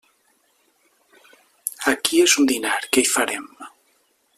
Aquí és un dinar, què hi farem!